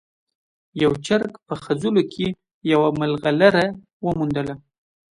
یو چرګ په خځلو کې یوه ملغلره وموندله.